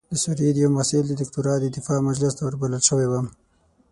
د سوریې د یوه محصل د دکتورا د دفاع مجلس ته وربلل شوی وم.